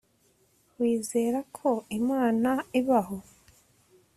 Wizera ko Imana ibaho